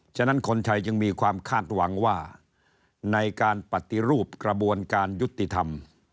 ฉะนั้นคนไทยจึงมีความคาดหวังว่าในการปฏิรูปกระบวนการยุติธรรม